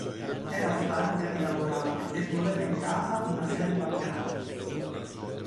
Era stanca di lavorare e voleva in casa una serva gratis.